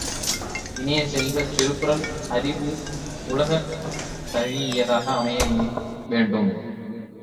இனிய செல்வ, திருக்குறள் அறிவு உலகந்தழீஇயதாக அமைய வேண்டும்.